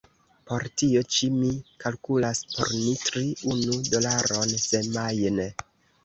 Por tio ĉi mi kalkulas por ni tri unu dolaron semajne.